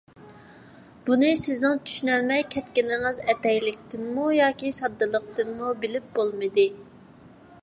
بۇنى سىزنىڭ چۈشىنەلمەي كەتكىنىڭىز ئەتەيلىكتىنمۇ ياكى ساددىلىقتىنمۇ بىلىپ بولمىدى.